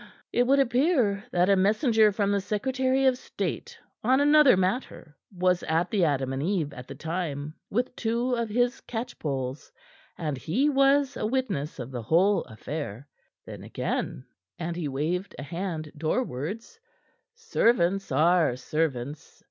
"It would appear that a messenger from the Secretary of State on another matter was at the Adam and Eve at the time with two of his catchpolls, and he was a witness of the whole affair. Then again," and he waved a hand doorwards, "servants are servants.